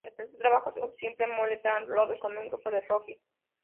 El tercer trabajo es un single "More Than Love" con un grupo de "Rookies".